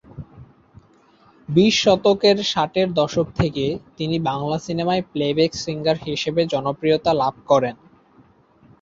বিশ শতকের ষাটের দশক থেকে তিনি বাংলা সিনেমায় প্লেব্যাক সিঙ্গার হিসেবে জনপ্রিয়তা লাভ করেন।